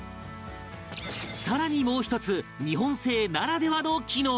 更にもう１つ日本製ならではの機能が